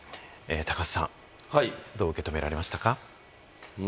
高橋さん、どう受け止められましたか？